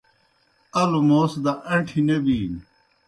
الوْ موس دہ اݩٹھیْ نہ بِینیْ۔